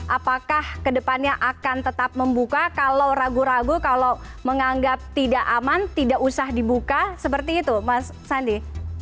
apakah kedepannya akan tetap membuka kalau ragu ragu kalau menganggap tidak aman tidak usah dibuka seperti itu mas sandi